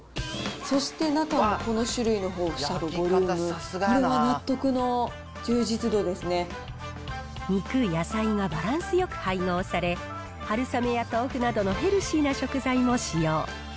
そして中のこの種類の豊富さとボリューム、これは納得の充実度で肉、野菜がバランスよく配合され、春雨や豆腐などのヘルシーな食材も使用。